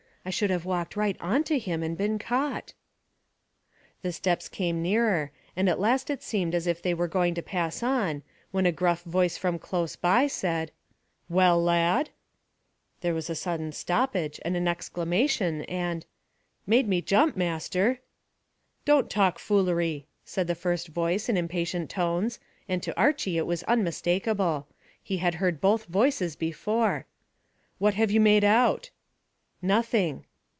"I should have walked right on to him and been caught." The steps came nearer, and at last it seemed as if they were going to pass on, when a gruff voice from close by said, "Well, lad?" There was a sudden stoppage, and an exclamation, and "Made me jump, master." "Don't talk foolery," said the first voice in impatient tones, and to Archy it was unmistakable. He had heard both voices before. "What have you made out?" "Nothing."